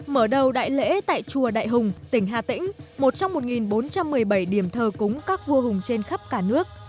mở đầu đại lễ tại chùa đại hùng tỉnh hà tĩnh một trong một bốn trăm một mươi bảy điểm thờ cúng các vua hùng trên khắp cả nước